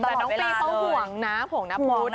แต่น้องปีนเขาห่วงนับห่วงนับพุทธนะ